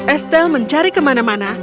estel mencari kemana mana